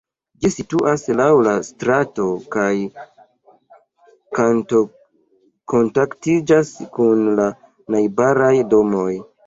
Ĝi situas laŭ la strato kaj kontaktiĝas kun la najbaraj domoj.